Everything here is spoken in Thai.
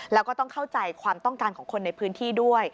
แล้วก็ต้องเข้าใจความต้องการของคนในพื้นที่ด้วย